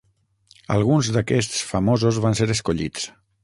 Alguns d'aquests famosos van ser escollits.